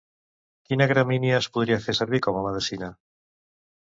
Quina gramínia es podria fer servir com a medicina?